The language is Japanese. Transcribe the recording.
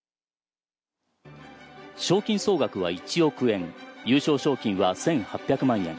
賞金総額は１億円優勝賞金は１８００万円。